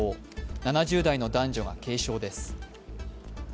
７０代の男女が軽傷です。